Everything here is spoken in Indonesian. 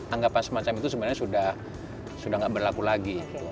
anggapan semacam itu sebenarnya sudah tidak berlaku lagi